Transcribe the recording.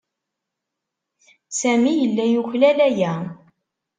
Sami yella yuklal aya.